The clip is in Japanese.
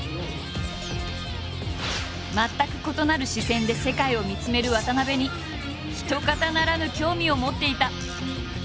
全く異なる視線で世界を見つめる渡部にひとかたならぬ興味を持っていた。